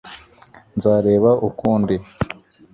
nzareba ukundi